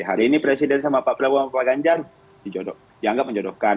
hari ini presiden sama pak prabowo sama pak ganjar dianggap menjodohkan